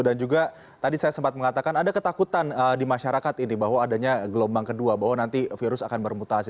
dan juga tadi saya sempat mengatakan ada ketakutan di masyarakat ini bahwa adanya gelombang kedua bahwa nanti virus akan bermutasi